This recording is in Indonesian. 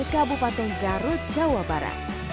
kabupaten garut jawa barat